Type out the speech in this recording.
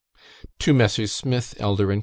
To MESSRS. SMITH, ELDER, AND CO.